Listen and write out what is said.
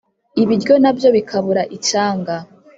ibiryo na byo bikabura icyanga